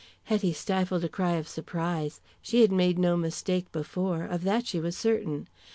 Hetty stifled a cry of surprise. She had made no mistake before of that she was certain.